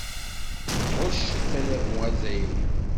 Ɣuccet adabu azzayri.